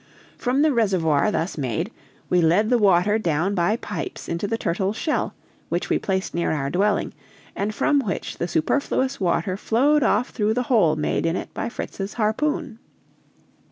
From the reservoir thus made we led the water down by pipes into the turtle's shell, which we placed near our dwelling, and from which the superfluous water flowed off through the hole made in it by Fritz's harpoon.